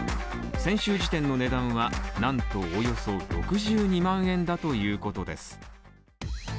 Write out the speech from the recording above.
先週時点の値段は、なんとおよそ６２万円だということです。